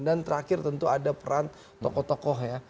dan terakhir tentu ada peran tokoh tokoh ya